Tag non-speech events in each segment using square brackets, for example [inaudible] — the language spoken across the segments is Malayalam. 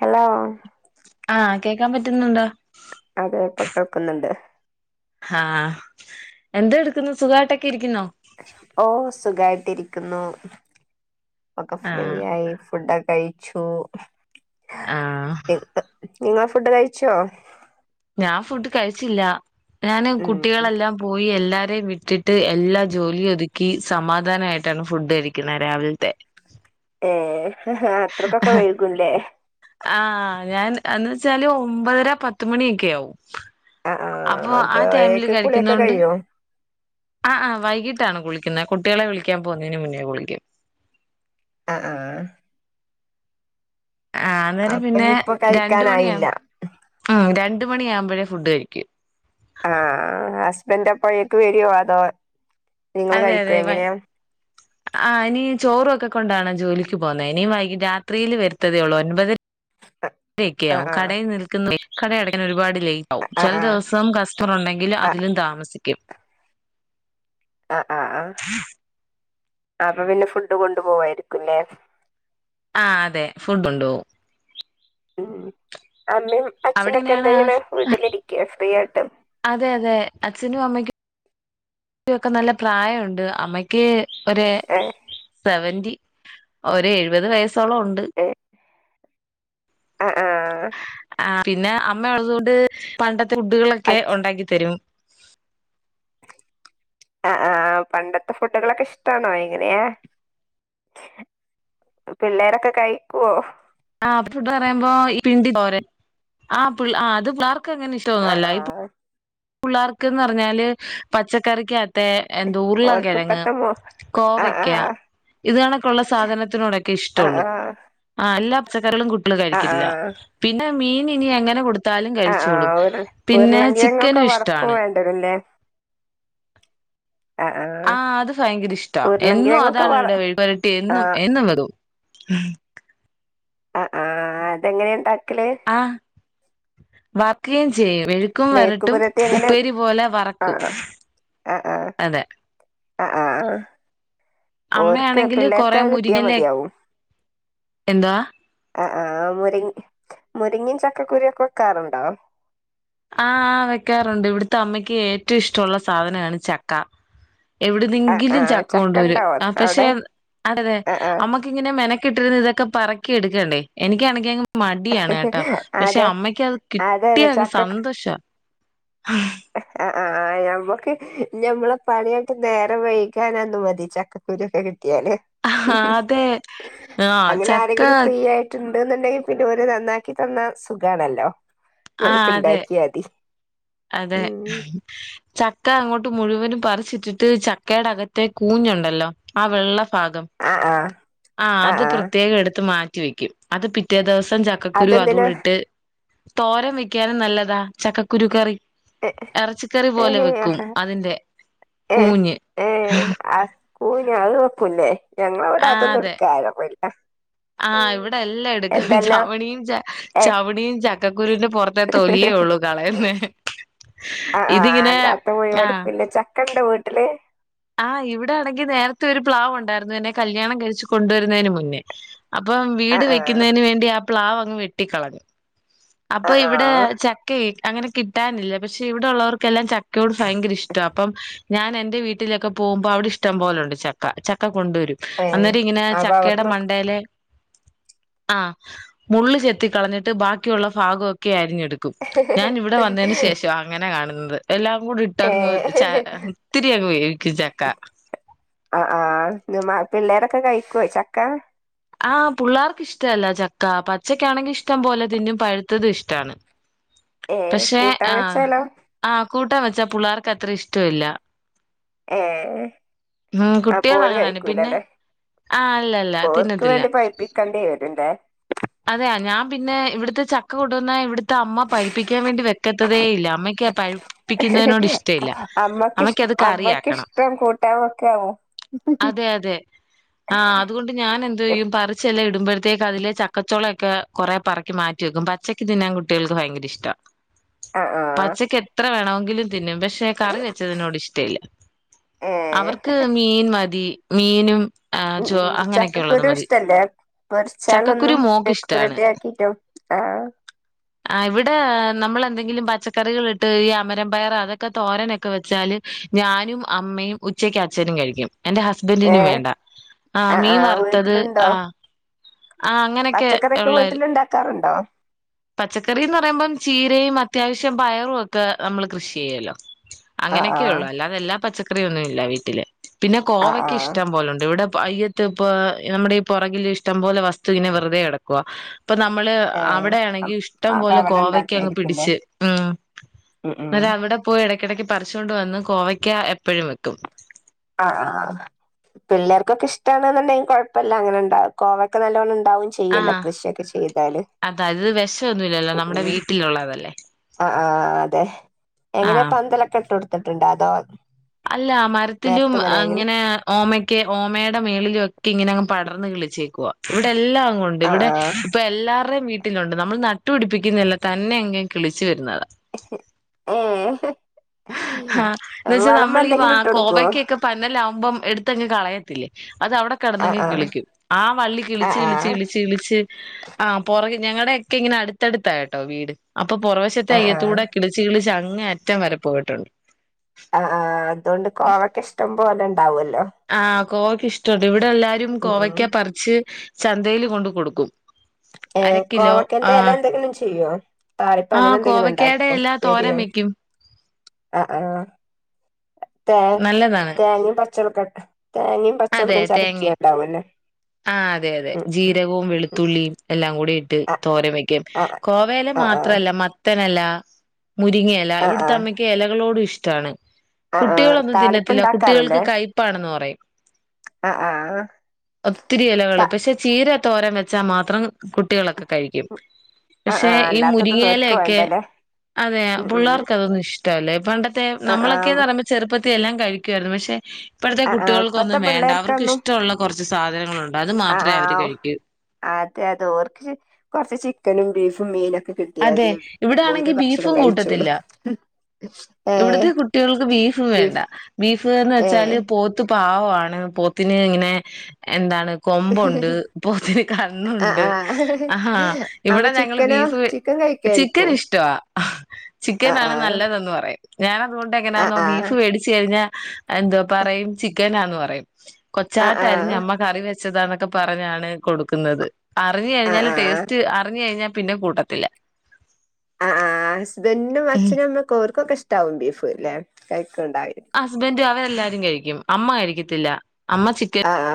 ഹലോ ആഹ് കേക്കാൻ പറ്റുന്നുണ്ടോ? അതേ ഇപ്പ കേൾക്കുന്നുണ്ട് ആഹ് എന്തോ എടുക്കുന്നു സുഖമായിട്ടൊക്കെ ഇരിക്കുന്നോ? ഓഹ് സുഖായിട്ടിരിക്കുന്നു ഇപ്പം ഫ്രീ ആഹ് ആയി ഫുഡ് കഴിച്ചു. ആഹ് [unintelligible] നിങ്ങള് ഫുഡ് കഴിച്ചോ ഞാൻ ഫുഡ് കഴിച്ചില്ല ഞാൻ ഉം കുട്ടികളെല്ലാം പോയി എല്ലാരേം വിട്ടിട്ട് എല്ലാ ജോലി ഒത്ക്കി സമാധാനായിട്ട് ആണ് ഫുഡ് കഴിക്കുന്നേ രാവിൽ ത്തെ ഏയ് അത്രയ്ക്കൊക്കെ വൈകുംല്ലേ ആഹ് ഞാൻ എന്ന് വെച്ചാൽ ഒൻപത ര പത്ത് മണി ഒക്ക്യെ ആവും ആ ആ അപ്പൊ ആഹ് ടൈമിൽ ഒരേക്ക് കുളിയൊക്കെ കഴിക്കുന്നൊണ്ട് കഴിയോ ആഹ് ആഹ് വൈകിട്ടാണ് കുളി ക്കുന്നെ കുട്ട്യേളെ വിളിക്കാൻ പോകുന്നേന് മുന്നേയ കുളിക്കും അഹ് ആഹ് ആഹ് അന്നേരം പിന്നെ ഇനിയിപ്പോ രണ്ട് മണി കഴിക്കാനായില്ല അഹ് രണ്ട് പത്ത് മണി ആവുമ്പഴേ ഫുഡ് കഴിക്കു ആഹ് ഹസ്ബൻഡ് അപ്പോഴേക്ക് വരോ അതോ നിങ്ങൾ അതേ കഴിക്കുവോ അതേ വൈ എങ്ങനെയാ അഹ് ഇനിയും ചോറ് ക്കൊക്കൊണ്ടാണൊ ജോലിക്ക് പോന്നെ ഇനിയു വൈകി രാത്രീല് വര്ത്തതെയൊള്ളൂ ഒൻപതര ആ യേക്ക്യാവും ആ കടേല് നിൽക്ക്ന്ന കടയടക്കാൻ ഒരുപാട് ലൈ [unintelligible] കും ആ ചെല ആ ദെവസം കാസ്റ്റമർ ഒണ്ടങ്കിൽ ആ ആ അതിലും താമസി ക്കും. ആ ആ ആ അപ്പ പിന്നെ ഫുഡ്‌കൊണ്ടുപോവുവായിരിക്കുല്ലേ? ആ അതെ ഫുഡോണ്ടോവും. [unintelligible] അമ്മേം അവിടെ അച്ഛനൊക്കെ എങ്ങനെയാണ് എന്താചെയ്യണേ വീട്ടിലിരിക്കാ ഫ്രീയായിട്ട്? അതെ അതെ അച്ഛനും [unintelligible] നല്ല പ്രായോണ്ട് അമ്മക്ക് ഒരേ ഏ സെവേന്റി. ഒരെഴുപത് വയസ് സോളോണ്ട്. ഏ ആ ആ പിന്നെ അപ് മ്മയൊള്ളതോണ്ട് പണ്ടത് ഫുഡ്‌കളക്കെ അച്ഛ ഒണ്ടാക്കിത്തരും. ആ ആ പണ്ടത്തെ ഫുഡ്‌കളൊക്കെ ഇഷ്ട്ടാണോ എങ്ങനെയാ പിള്ളേരൊക്കെ കഴിക്കുവോ? ആ ഫുഡന്ന്‌ പറയുമ്പ ഈ പിണ്ടിത്തോരൻ ആ പിള്ള് ആ അത് പിള്ളാർ ക്കങ്ങനെ ആ ഇഷ്ട്ടൊന്നുവല്ല ആ ഈ പു പുള്ളാർക്കെന്നു പറഞ്ഞാല് പച്ചക്കറിക്കാത് ത്തെ എന്ത്‌ ഉർളൻ ഓർക്ക് കെഴങ്ങ് ഇപ്പത്തെ മോ ആ ആ കോവക്കാ ഇതണക്കുള്ള സാധനത്തോടൊക്കെ ആ ഇഷ്ട്ടൊള്ളു ആ ആ ആ എല്ലാ ക്കരളും കുട്ട്യള് ആ കഴിക്കില്ല പിന്നെ മീൻ ന്നിനിയെങ്ങനെ കൊട് ത്താലും കഴിച്ചോളും പിന്നെ ചിക് വറക്കുമ് വേണ്ടേ പിന്നെ? [unintelligible] ആ അത് ഫയങ്കര ഇഷ്ട്ട ഉരുളങ്കിഴങ്ങൊക്കെ വറ എന്നുവതാണിവടെ മെഴുക്കുപെരട്ടി ആ എന്നും വെക്കും ആ ആ അതെങ്ങനെയാണ്ട ആ വർക്ക് ക്കേം ചെയ്യും മെഴുക്കും മേക്ക് വരട്ടും പുരട്ടി എങ്ങനെ ഉപ്പേരി പോലെ ആ വറക്കും ആ ആ ആ അതെ ആ ആ ഓർക്ക് അമ്മയാണെങ്കില് പിള്ളേർക്ക് കൊറേ അത് കിട്ടിയാ മുരിങ്ങയെല മതിയാവും എന്താ? ആ ആ മുരിങ് മുരിങ്ങേമ് ചക്കക്കുരുവൊക്കെ വെക്കാറുണ്ടോ? ആഹ് വെക്കാറുണ്ട് ഇവിടുത്തെ അമ്മയ്ക്ക് ഏറ്റവും ഇഷ്ടമുള്ള സാധനമാണ് ചക്ക ആഹ് എവിടുന്നെങ്കിലും ആഹ് ചക്ക കൊണ്ടുവരും ഉണ്ടാവോ പക്ഷെ അവിടെ അതെ ആഹ് ആഹ് നമ്മക്കിങ്ങനെ മെന മെനക്കെട്ടിരുന്നതക്കെ പറക്കി എടുക്കണ്ടേ എനിക്കാണെങ്ക മടിയാണ് കേട്ടാ പക്ഷെ അതെ അമ്മയ്ക്ക് അത് അതെ അതെ കിട്ടിയങ്ങ് ചക്ക സന്തോഷവാ ആഹ് ആ നമ്മക്ക് നമ്മളെ പണിയായിട്ട് നേരം വൈിക്കാന് മതി ചക്കക്കുരുക്കെ കിട്ട ആഹ് [unintelligible] അതെ ആഹ് അങ്ങനെ ചക്ക ആരെങ്കിലും ഫ്രീ ആയിട്ടു ണ്ടെങ്കിൽ പിന്നെ ഓര് നന്നാക്കി തന്നാ സുഖാണല്ലോ ആഹ് ഞമ്മക്ക് അതെ ഇണ്ടാക്കിയാതി അതെ ചക്ക അങ്ങോട്ട് മുഴുവനും പറിച്ചിട്ടിട്ട് ചക്കെടെ അകത്തെ കൂഞ്ഞുണ്ടല്ലോ ആ വെള്ള ഭാഗം ആഹ് ആഹ് ആ അത് ആഹ് ആഹ് പ്രത്യേകം എടുത്ത് മാ റ്റു വെയ്ക്കും. അത് പിറ്റേ ദിവസം [unintelligible] ചക്കക്കുരു അതുട അതെന്തിനാ ഇട്ട് തോരൻ വെക്കാനും നല്ലതാ ചക്കക്കുരുക്കറി എറച്ചിക്കറി പോലെ ഏഹ് വെക്കും. അതിന്റെ. കൂഞ്ഞ് കൂഞ്ഞ് അത് വെക്ക്കൂല്ലേ ഞങ്ങളവിടെ അതൊന്നും. എടുക്കാര പോയില്ല ആഹ്. ഇവിടെ എല്ലാ എടുക്കും. ചവണിയും ച ഏ ചവണിയും ചക്കക്കുരുന്റെ പൊറത്തെ തൊലിയേ ഉള്ളു. കളയെന്നെ ആഹ് ആഹ് അല്ലാത്ത മുടിവെടുപ്പ് ഇല്ലച്ചാ [unintelligible] വീട്ടില് ആഹ് ഇവിടെ. ആണെങ്കി നേരത്തെ ഒരു പ്ലാവുണ്ടായിരുന്നു. എന്നെ കല്യാണം കഴിച്ചു. കൊണ്ടുവരുന്നേന്. മുന്നേ അപ്പം ആ വീട് ആ വെക്കുന്നേന് വേണ്ടി അ പ്ലാവ് അങ്ങ് വെട്ടിക്കളഞ്ഞു ആ അപ്പൊ ആ ഇവിടെ ചക്കേ അങ്ങനെ കിട്ടാനില്ല. പഷേ. ഇവിടെ ഒള്ളവർക്കെല്ലാം ചക്കയോട് ഭയങ്കര ഇഷ്ടാ അപ്പം ഞാൻ എന്റെ വീട്ടിലൊക്കെ പോവുമ്പോ അവിടെ ഇഷ്ടം പോലെണ്ട് ചക്ക. ചക്ക കൊണ്ടുവരും ഏ അന്നേരം ഇങ്ങനെ അപ്പൊ ചക്കേടെ അവിടന്നൊക്കെ മണ്ടയിലെ ആഹ് മുള്ള് ചെത്തി കളഞ്ഞിട്ട് ബാ [unintelligible] ഭാഗം ഒക്കെ അരിഞ്ഞി ക്കും. ഞാൻ ഇവിടെ വന്നതിന് ശേഷം അങ്ങനെ കാണുന്നത് [unintelligible] എല്ലാം [unintelligible] ഏ ഇട്ടങ്ങ് ച ഒത്തിരി അങ്ങ് വേവിക്കും ചക്ക ആ ആ ഇത് മ പിള്ളേരൊക്കെ കഴികൊയ് ചക്ക ആഹ് പുള്ളേർക്ക്ഷ്ടല്ല ചക്കാ പച്ചക്കാണെങ്കി ഇഷ്ടം പോലെ തിന്നും പഴുത്തതും ഇഷ്ട്ടാണ് ഏ പക്ഷെ കൂട്ടാൻ വെച്ചാലോ ആ പുള്ളവർക്ക് അത്ര ഇഷ്ടമില്ല ഏ ഉം അപ്പോ കുട്ടികൾ ഊര് അങ്ങനെയാണ് കഴിക്കില്ല പിന്നെ അല്ലേ ആ അല്ലല്ല ഓർക്കുവേണ്ടി പഴുപ്പിക്കേണ്ടി വരുമല്ലോ അതെ ഞാൻ പിന്നെ ഇവിടുത്തെ ചക്ക കൊണ്ട് വന്ന ഇവിടത്തെ അമ്മ പഴിപ്പിക്കാൻ വേണ്ട വെക്കാത്തതെ ഇല്ല അമ്മയ്ക്ക് പഴ പ്പിക്ക്വിന്നേടോഷ്ട ഇല്ല അമ്മക്ക് ഇഷ് അമക്ക് അത് അമ്മക്ക് കറിയാക്കണം ഇഷ്ടം കൂട്ടാൻ വെക്കാവോ അതെ അതെ ആഹ് അതുകൊണ്ട് ഞാൻ എന്തെയ്യും പറിച്ച് എല്ലാം ഇടുമ്പഴ് [unintelligible] കല്യ ച ക്കചോളയെക്കെ കൊറെ പറക്കി മാറ്റിവെക്കും പച്ചക്ക് തിന്നാൻ കുട്ട്യേൾക്ക് ഭയങ്കര ഇഷ്ടാ ആ ആ പച്ചക്ക് എത്ര വേണോ തിന്നും പക്ഷേ കറി വെച്ചതിനോട് ഇഷ്ടല്ല ഏ അവർക്കു മീൻ മതി മീനും ആ മ്മ് ചോ മ്മ് അങ്ങനെയൊക്കെ ഉള്ളത് ചക്കക്കുരു മതി ഇഷ്ടല്ലേ വോര്ച്ചാല് ചക്കക്കുരു മോക്ക് ഇഷ്ടാണ് [unintelligible] ആ ഇവടെ നമ്മളെന്തെങ്കിലും പച്ചക്കറികളിട്ട് അമരപ്പയർ അതൊക്കെ തോരനൊക്കെ വെച്ചാല് ഞാനും അമ്മയും ഉച്ചക്ക് അച്ഛനും കഴിക്കും എന്റെ ഹസ്ബന്റിനും ഏഹ് വേണ്ട ആ ആഹ് മീൻ ആഹ് വറുത്തത് വീട്ടിലുണ്ടോ ആ ആ അങ്ങനെയൊക്കെ പച്ചക്കറിയൊക്കെ വീട്ടിലുണ്ടാക്കാറു ആ പച്ചക്കറീന്ന് പറയുമ്പോ ചീരയും അത്യാവശ്യം പയറു ഒക്കെ നമ്മള് കൃഷി ചെയ്യോലോ ആഹ് ആഹ് അങ്ങനെയൊക്കെയൊള്ളൂ അല്ലാതെ എല്ലാ പച്ച ഇത്രയൊന്നൂല്ല വീട്ടില് പിന്നെ ആഹ് കോവക്ക ആഹ് ഇഷ്ടം പോലെണ്ട് ഇവിടെ പ്പൊ അയ്യോത്തെ പ്പോ നമ്മുടെ ഈ പുറകിലിഷ്ടം പോലെ വസ്തു ഇങ്ങനെ വെറുതെ കെടക്കുവാ ഇപ്പ നമ്മള് ഏഹ് അവിടെയാണെ ഇഷ്ടം അപ്പൊ പോലെ അവിടെ കോവയ്ക്കയങ്ങ് ഉണ്ടാക്കായിരിക്കുംല്ലേ പിടിച്ചു ഉം ഉം ഉം ന്നലെ അവിടെ പോയെടക്ക് ഇടക്ക് പറിചോണ്ടു വന്ന് കോവക്ക എപ്പോഴും വയ്ക്കും ആഹ് ആഹ് പിള്ളേർക്ക് കെ ഇഷ്ടാണെന്നുണ്ടെങ്കിൽ കൊയപ്പല്ല കോവക്ക നല്ലോണംഇ ഉണ്ടാവുകയും ചെയ്യുല്ലോ ആഹ് കൃഷിയൊക്കെ ചെയ്താല് അതാ ഇത് വിഷമൊന്നുമില്ലല്ലോ മം നമ്മുടെ മ്മ് വീട്ടിലുള്ളതല്ലേ ആഹ് ആഹ് അതേ എങ്ങനെ ആഹ് പന്തലൊക്കെ ഇട്ടു കൊടുത്ത [unintelligible] അല്ല. മരത്തിലും ഇങ്ങനെ ഒമാകെ ഒമായടെ മേളി ലൊക്കെ ഇങ്ങനെ പടർന്ന് കിളിച്ചേക്കുവാ ഇവിടെ എല്ലാ ഉണ്ട് ആഹ് ഇവിടെ ആഹ് എല്ലാർ ടെ വീ വീട്ടിലുണ്ട് നമ്മൾ നട്ടു പിടിപ്പിക്കുന്നതല്ല തന്നെ അങ്ങ് കിളിച്ചു വരുന്നത് ഏഹ് ആഹ് എന്നുവെച്ചാൽ വളം നമ്മുടെ ഈ എന്തെങ്കിലും ഇട്ട് കൊടുക്കോ കോവക്കയൊക്കെ [unintelligible] ആവുമ്പോ എടുത്തങ് കളയത്തില്ലേ അത് അവിടെ ആഹ് കെടന്നങ്ങ് ആഹ് കിളിക്കും ആ വള്ളി കിളിച്ച് ആഹ് കിളിച്ച് ആഹ് കിളിച്ച് ളിച്ച് ആ പുറകി ഞങ്ങടെയെക്കെ ഇങ്ങനെ അടുത്തടുത്താട്ടോ വീട് അപ് പ്പം പുറവശത്തെ ആഹ് അയത്തൂടെ ആഹ് കിളിച്ച് കിളിച്ചാ അങ്ങേ അറ്റം വരും പോയിട്ടിണ്ട് അ ആഹ് അതോണ്ട് കോവയ്ക്ക ഇഷ്‌ടംപോലെ ഇണ്ടാവോലോ കോവയ്ക്ക് ഇഷ്ടണ്ട് ഇവി- ടല്ലാവരും കോവയ്ക്ക പറിച്ച് ചന്തേല് കൊണ്ട് കൊടുക്കും അര ഏഹ് കിലോ കോവക്കേൻ്റെ എല ആഹ് എന്തെങ്കിലും ചേയ്യോ താളിപ്പോ അങ്ങനെ ആഹ് എന്തെങ്കിലും കോവയ്ക്കയുടെ ഇണ്ടാക്കോ എല്ലാ തോരൻ ഉപ്പേരിയും വെക്കും അ ആഹ് തേ നല്ലതാണ് തേങ്ങേം പച്ചളകാട്ടേ തേങ്ങേം പച്ചളതും ചതക്കേണ്ടാവുലേ ആ അതെ-അതെ ജീരകോം വെളുതുള്ളി എല്ലാം മൂടി റ്റ് ആഹ് തോരൻ വെക്കേം ആഹ് കോവല് ആഹ് ആഹ് മാത്രല്ല മത്തനെല [inaudible] മുരിങ്ങയെല ആഹ് ഇവിടത്തെ ആഹ് അമ്മയ്ക്ക് എലകളോട് ഇഷ് റ്റാണ് ആഹ് ആഹ് കുട്ടികളൊന്നും താളിപ്പ് തിന്നത്തില്ല കുട്ടികൾക്ക് ഉണ്ടാക്കാറില്ലേ കയ്പ്പാണെന്ന് പറയും ആഹ് ആഹ് ഒത്തിരി ത എലകള് പക്ഷേ ചീര തോരൻ വച്ചാ മാത്രം കുട്ടികളൊക്കെ കഴിക്കും ആഹ് പക്ഷേ ആഹ് ഈ അല്ലാത്തതൊന്നും ഓര്ക്ക് മുരിങ്ങലയൊക്കെ വേണ്ടല്ലേ അതെ ഉം ഉം പിള്ളേർക്കതൊന്നും ഇഷ് ഇഷ്ടല്ല പണ്ടത്തെ ആഹ് ആഹ് നമ്മളെക്കേന്ന് പറയുമ്പോ ചെറുപ്പ തെല്ലാം കഴിക്കുവാരുന്നു പക്ഷേ ഇപ്പഴത്തെ ആ ആ ഇപ്പത്തെ കുട്ടികൾക്കൊന്നും വേണ്ട അവർക്ക് ഇഷ്ടൊള്ള കൊറ സാധനങ്ങളു അ ആഹ് അതെതെ ഓർക്ക് കൊറച്ച് ചിക്കനും ബീഫും മീനും അതെ ഇവിടെയാണെങ്കി ബീഫും കഴിച്ചോളും കൂട്ടത്തില്ല ഏ ഇവിടത്ത കുട്ടികൾക്ക് ബീഫ് വേണ്ട ഏ ബീഫെന്നച്ചാല് പോത്ത് പാവാണ് പോത്തിന് ഇങ്ങനെ എന്താണ് കൊമ്പുണ്ട് പോത്തിന് ആ കണ്ണുണ്ട് ആ ആഹാ അപ്പൊ ഇവിടെ ഞങ്ങള് ചിക്കനോ ബീഫ്‌ ചിക്കൻ കഴിക്കായിരിക്കും ചിക്കനിഷ്ടമാ ആ ചിക്കനാണ് നല്ലതെന്ന് പറയും വേറെ ആ തൊണ്ടെങ്ങനെന്നോ ആ ബീഫ്‌ വേടിച്ച്ക്കഴിഞ്ഞാൽ അതെന്തോ പറയും ചിക്കനാന്ന് പറയും ആ ആ ആ കൊച്ചാട്ടരിഞ്ഞ് അമ്മ കറിവെ ച്ചതാന്നൊക്കെ പറഞ്ഞാണേ കൊടുക്കുന്നത് അറിഞ്ഞ്കഴിഞ്ഞാൽ ആ ആ ടേസ്റ്റ് അറിഞ്ഞ് കഴിഞ്ഞാ പിന്നെ കൂട്ടത്തില്ല അ ആ തെന്നു ഉം. അച്ഛനമ്മേ കോർ ക്കൊക്കെ ഇഷ്ട്ടാവും ബീഫ്‌ ലെ ക ഹസ്ബൻഡ് അവ രെല്ലാരും കഴിക്കും അമ്മ കഴിക്കത്തില്ല അമ്മ ആ ആ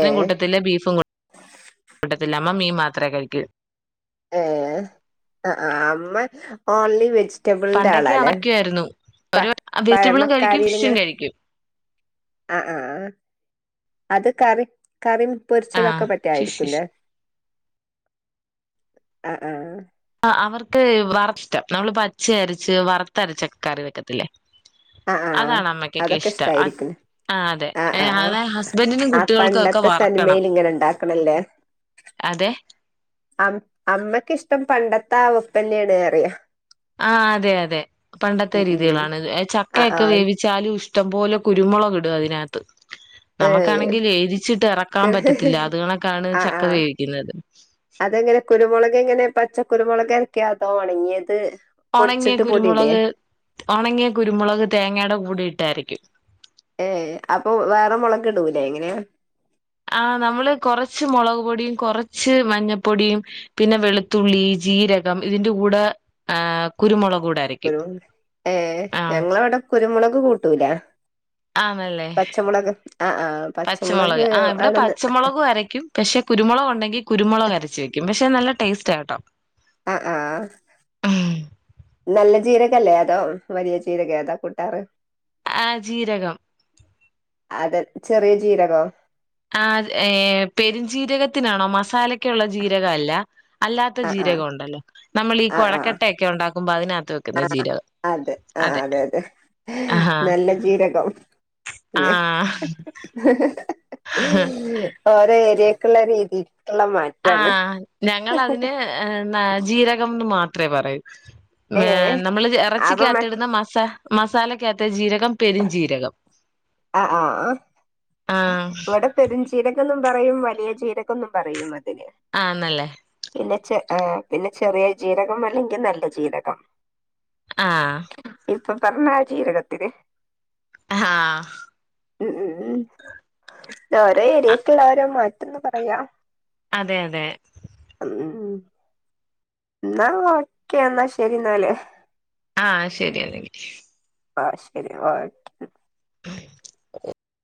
ഏ കൂട്ടത്തില്ല ബീഫും കൂട്ട ത്തില്ല അമ്മ മീൻ മാത്രെ കഴിക്കൂ ഏ ആ അമ്മ ഒൺലി വെജി പണ്ടൊക്കെ [unintelligible] യായിരുന്നു ഒരു വെജിറ്റെബിളും കഴിക്കും ഫിഷും കഴിക്കും അ ആ അത് കറി കറിം ആഹ് പൊരിച്ചതൊക്കെ ഫിഷ് ഫിഷ് പറ്റായിരിക്കുലെ അ ആ അവർക്ക് വർഷ്ടം നമ്മള് പച്ചയരച്ച് വറത്തരച്ചൊക്കെ കറി വെക്കത്തില്ലേ ആ ആ അതാണ് അതൊക്കെ അമ്മക്കൊക്കെഷ്ടം ഇഷ്ടായിരിക്കും അതെ ആ ആ ഹസ്ബൻഡിനുനും ആ കുട്ടികൾകൊക്കെ പണ്ടത്തെ വറുക്കണം തനിമയിൽ ഇങ്ങനെ ഉണ്ടാക്കണല്ലേ അതെ അമ്മക്കിഷ്ടം പണ്ടത്തെ ആ വെപ്പന്നെണ് ന്നറിയാ ആ അതെ അതെ പണ്ടത്തെ ഉം രീതികളാണിത് ആ ആ ചക്കയൊക്കെ വേവിച്ചാലും ഇഷ്ടംപോലെ കുരുമുളക് ഇ ടും അതിനകത്ത് ഏ നമക്കാണെങ്കിൽ എരിച്ചിട്ട് ഇറക്കാൻ പറ്റത്തില്ല അത് കണക്കാണ് ആ ആ ചക്ക വേവിക്കുന്നത് കുരുമുളക്കരക്കാ അതോ ഒണങ്ങിയത് ഒണങ്ങിയ പൊടിച്ചിട്ട് പൊടിയിടേ കുരുമുളക് ഒണങ്ങിയ കുരുമുളക് തേങ്ങേടെ കൂടെയിട്ട് അരക്കും ഏ അപ്പ വേറെ മുളകിടൂല്ലേ ഇങ്ങനേ ആ നമ്മള് കൊറച്ചു മുളകുപൊടിയും കൊറച്ചു മഞ്ഞപ്പൊടിയും പിന്നെ വെളുത്തുള്ളി ജീരകം ഇതിന്റെ കൂടെ കുരുമുള ഒരു ഏ ഞങ്ങളെവിടെ കുരുമുളക് കൂട്ടൂല ആന്നല്ലേ പച്ചമുളക് ആഹ് ആഹ് പച്ചമുളക് ആഹ് ഇവിടെ ആണെന്ന് പച്ചമുളകും അരക്കും പക്ഷെ കുരുമുളക് ഉണ്ടെങ്കിൽ കുരുമുളക് അരച്ച് വെക്കും പക്ഷെ നല്ല ടേസ്റ്റ് ആഹ് കേട്ടോ ആഹ് ആഹ് നല്ല ജീരകം അല്ലെ അതോ വലിയ ജീരകം എതാ കൂട്ടാറു ആഹ് ജീരകം അത് ചെറിയ ജീറക ആഹ് ഏഹ് പെരുംജീരകത്തിനു ആണോ മസാലക്കുള്ള ജീരകം അല്ല അല്ലാത്ത ആഹ് ആഹ് ജീരകം ഉണ്ടല്ലോ നമ്മൾ ഈ ആഹ് ആഹ് കുഴക്കട്ട ഒക്കെ ഉണ്ടാക്കു മ്പോ അതിനാ ആഹ് അതേ അതേ അതേ ആഹാ നല്ല ജീരകം ആ അതേ അതേ [inaudible] ഓരോ ഏരിയക്ക് ക്കുള്ള രീതി ആഹ് ഞങ്ങൾ അന്ന് ജീരകം എന്ന് മാ മാത്ര പറയൂ ഏഹ് നമ്മൾ അപ്പൊ ഇറച്ചിക്കകത്ത്‌ മറ്റേ ഇടുന്ന മസാ മസാലക്കകത്തു ജീര കം പെരുംജീരകം ആഹ് ആഹ് ആ ആഹ് ഇവിടെ പെരുംജീരകം എന്ന് പറയും വലിയ ജീരകം എന്നും പറയുന്നുണ്ട് ആഹ്ന്നല്ലേ പിന്നെ ചെ ഏ പിന്നെ ചെറിയ ജീരകം അല്ലെങ്കിൽ നല്ല ജീരകം ആഹ് ഇപ്പൊ പറഞ്ഞ ആ ജീരകത്തിനു ആഹ് ഉം ഉം ഉം---ഓരോ ഏരിയയിലും ഓരോ മാറ്റം എന്ന് പറയ അതേ അതേ ഉം ഉം എന്നാ ഓക്കേ എന്നാ ശെരി എന്നാല് ആഹ് ശെരി അല്ലെങ്കി [unintelligible] [inaudible]